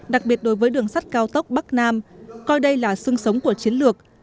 đặc biệt đối với đường sắt cao tốc bắc nam coi đây là sưng sống của chiến lược